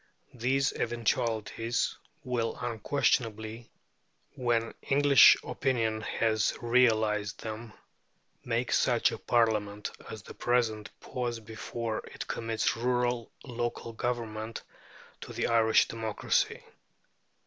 These eventualities will unquestionably, when English opinion has realized them, make such a Parliament as the present pause before it commits rural local government to the Irish democracy.